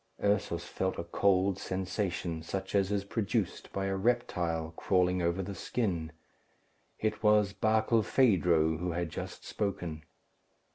Ursus felt a cold sensation, such as is produced by a reptile crawling over the skin. It was Barkilphedro who had just spoken.